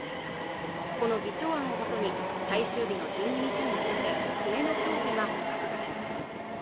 この議長案をもとに最終日の１２日に向けて詰めの協議が本格化します